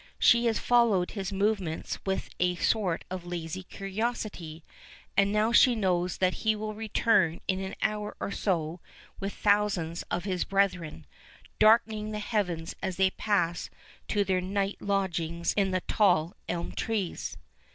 She has followed his movements with a sort of lazy curiosity, and now she knows that he will return in an hour or so with thousands of his brethren, darkening the heavens as they pass to their night lodgings in the tall elm trees.